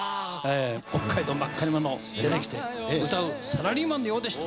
北海道真狩村出てきて歌うサラリーマンのようでした。